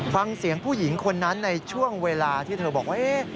ฟังเสียงผู้หญิงคนนั้นในช่วงเวลาที่เธอบอกว่า